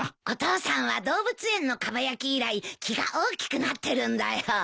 お父さんは動物園のかば焼き以来気が大きくなってるんだよ。